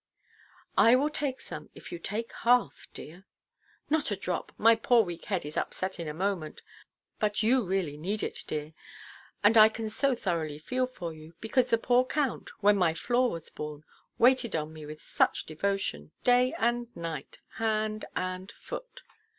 "I will take some, if you take half, dear." "Not a drop. My poor weak head is upset in a moment. But you really need it, dear; and I can so thoroughly feel for you, because the poor Count, when my Flore was born, waited on me with such devotion, day and night, hand and foot."